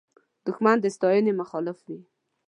دښمن د ستاینې مخالف وي